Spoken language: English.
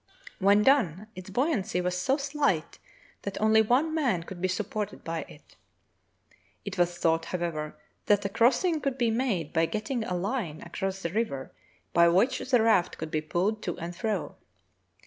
When done its buoyancy was so slight that only one man could be supported by it. It was thought, however, that a crossing could be made by getting a line across the river by which the raft could be pulled to and fro.